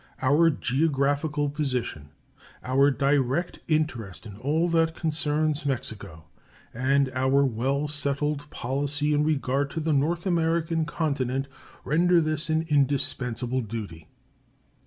Our geographical position, our direct interest in all that concerns Mexico, and our well settled policy in regard to the North American continent render this an indispensable duty.